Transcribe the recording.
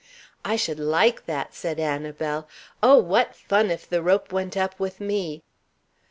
"I should like that," said Annabel. "Oh, what fun, if the rope went up with me!"